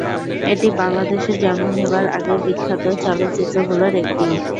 এটি বাংলাদেশ জন্ম নেবার আগের বিখ্যাত চলচ্চিত্রগুলোর একটি।